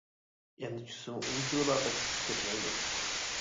ئەمدى چۈشسىمۇ ئۇنچىۋالا بەك چۈشۈپ كەتمەيدۇ.